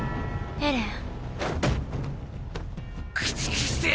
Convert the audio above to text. エレン！